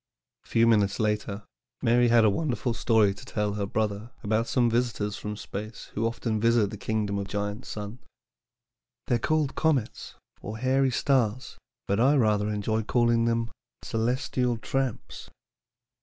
A few evenings later Mary had a wonderful story to tell her brother about some visitors from space who often visit the kingdom of Giant Sun. "They are called comets, or hairy stars, but I rather enjoy calling them 'celestial tramps.'"